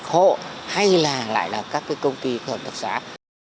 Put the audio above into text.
hay là lại là các công ty hợp đặc sát